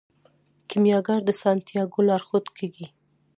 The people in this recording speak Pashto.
کیمیاګر د سانتیاګو لارښود کیږي.